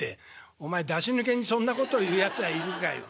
「お前出し抜けにそんなこと言うやつがいるかよ。